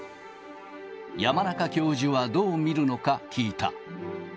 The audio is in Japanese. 山中教授はどう見るのか聞いた。